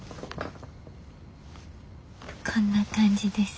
こんな感じです。